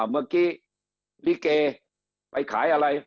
เมื่อกี้ลิเกไปขายอะไร